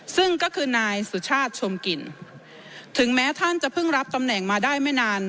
ซึ่งก็คือนายสุชาติชมกลิ่นถึงแม้ท่านจะเพิ่งรับตำแหน่งมาได้ไม่นาน